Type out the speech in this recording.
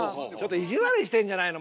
意地悪しているんじゃないの？